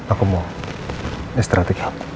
aku mau istirahat sedikit